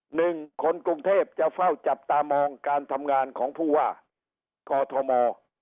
หนึ่งคนกรุงเทพจะเฝ้าจับตามองการทำงานของผู้ว่ากอทม